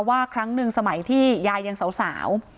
ครั้งหนึ่งสมัยที่ยายยังสาว